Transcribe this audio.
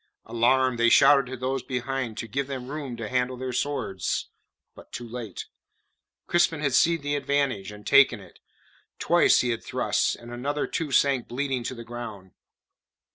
Alarmed, they shouted to those behind to give them room to handle their swords; but too late. Crispin had seen the advantage, and taken it. Twice he had thrust, and another two sank bleeding to the ground.